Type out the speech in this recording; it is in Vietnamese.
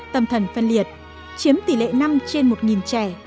tâm thần phân liệt chiếm tỷ lệ năm trên một trẻ